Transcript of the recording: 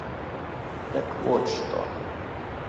— Так вот что!